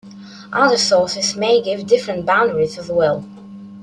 Other sources may give different boundaries as well.